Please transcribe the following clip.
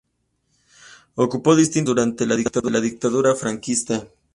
Ocupó distintos cargos durante la dictadura franquista.